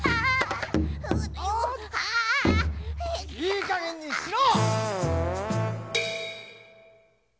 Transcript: いいかげんにしろ！